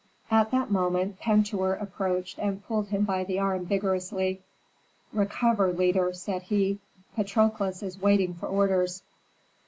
At that moment Pentuer approached and pulled him by the arm vigorously. "Recover, leader," said he; "Patrokles is waiting for orders."